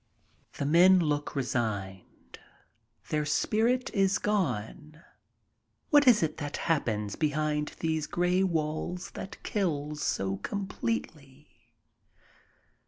The men look resigned. Their spirit is gone. What is it that happens behind these gray walls that kills so com pletely